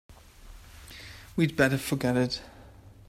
We'd better forget it.